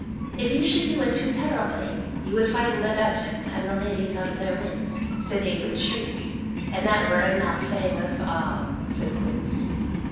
'" "If you should do it too terribly, you would frighten the Duchess and the ladies out of their wits, so that they would shriek, and that were enough to hang us all," said Quince.